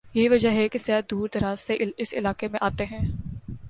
یہی وجہ ہے کہ سیاح دور دراز سے اس علاقے میں آتے ہیں ۔